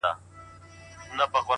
سترگي ور واوښتلې’